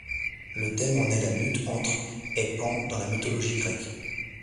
Le thème en est la lutte entre et Pan dans la mythologie grecque.